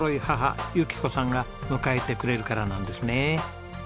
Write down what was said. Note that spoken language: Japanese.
母由紀子さんが迎えてくれるからなんですね。